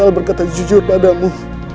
aku akan berkata jujur padamu